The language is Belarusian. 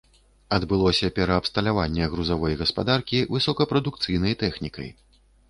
Адбылося пераабсталяванне грузавой гаспадаркі высокапрадукцыйнай тэхнікай.